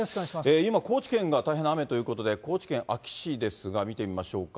今、高知県が大変な雨ということで、高知県安芸市ですが、見てみましょうか。